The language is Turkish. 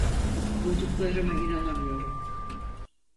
Duyduklarıma inanamıyorum.